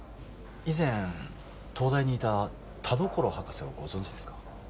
以前東大にいた田所博士をご存じですか？